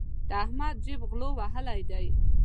د احمد جېب غلو وهلی دی.